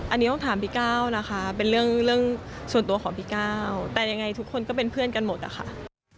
อันนี้ต้องถามพี่ก้าวนะคะเป็นเรื่องส่วนตัวของพี่ก้าวแต่ยังไงทุกคนก็เป็นเพื่อนกันหมดอะค่ะ